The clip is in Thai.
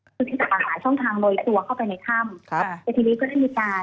คือที่จะอาหารช่องทางโดยตัวเข้าไปในถ้ำครับแต่ทีนี้ก็ได้มีการ